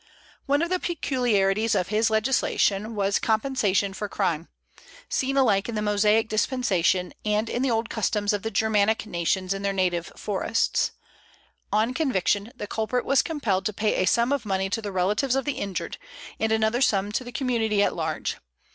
One of the peculiarities of his legislation was compensation for crime, seen alike in the Mosaic dispensation and in the old customs of the Germanic nations in their native forests. On conviction, the culprit was compelled to pay a sum of money to the relatives of the injured, and another sum to the community at large.